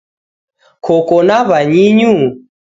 Koko na wanyinyu?